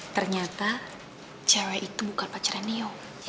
ternyata cewek itu bukan pacaran neo